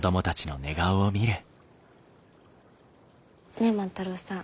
ねえ万太郎さん